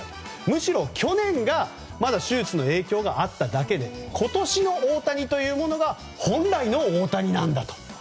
むしろ去年がまだ手術の影響があっただけで今年の大谷というものが本来の大谷なんだと。